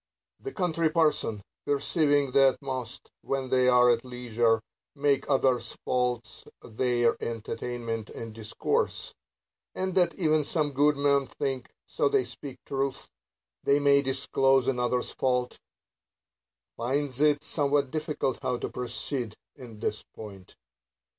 The Country Parson, — perceiving that most, when they are at leisure, make others' faults their entertain ment and discourse ; and that even some good men think, so they speak truth, they may disclose another's fault, — finds it somewhat difficult how to proceed in this point.